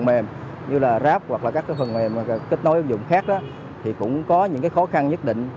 mềm như là grab hoặc là các phần mềm kết nối ứng dụng khác thì cũng có những khó khăn nhất định